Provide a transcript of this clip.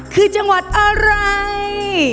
คือจังหวัดอะไร